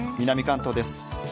南関東です。